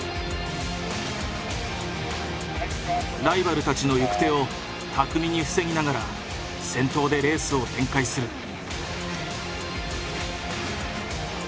ライバルたちの行く手を巧みに防ぎながら先頭でレースを展開する。